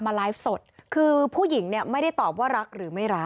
ไลฟ์สดคือผู้หญิงเนี่ยไม่ได้ตอบว่ารักหรือไม่รัก